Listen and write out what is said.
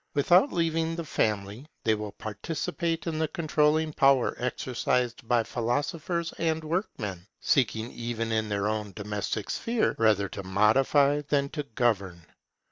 Without leaving the family, they will participate in the controlling power exercised by philosophers and workmen, seeking even in their own domestic sphere rather to modify than to govern.